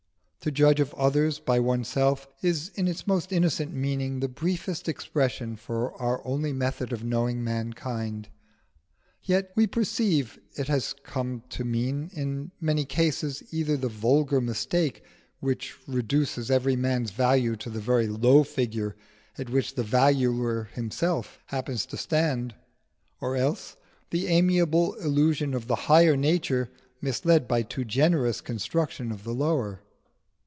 To judge of others by oneself is in its most innocent meaning the briefest expression for our only method of knowing mankind; yet, we perceive, it has come to mean in many cases either the vulgar mistake which reduces every man's value to the very low figure at which the valuer himself happens to stand; or else, the amiable illusion of the higher nature misled by a too generous construction of the lower.